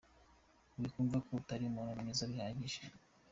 Wikumva ko utari umuntu mwiza bihagije.